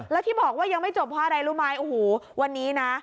แล้วที่บอกว่ายังไม่จบเพราะอะไรรู้ไหมโอ้โหวันนี้นะ